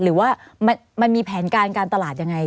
หรือว่ามันมีแผนการการตลาดยังไง